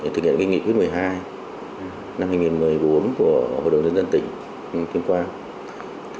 thực hiện nghị quyết một mươi hai năm hai nghìn một mươi bốn của hội đồng dân dân tỉnh